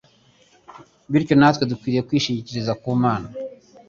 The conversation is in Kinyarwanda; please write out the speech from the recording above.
Bityo natwe dukwiye kwishingikiriza ku Mana